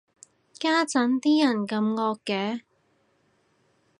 家陣啲人咁惡嘅